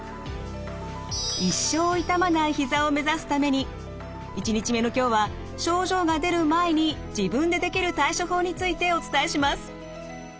一生痛まないひざを目指すために１日目の今日は症状が出る前に自分でできる対処法についてお伝えします。